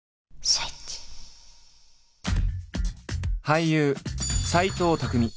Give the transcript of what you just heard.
俳優・斎藤工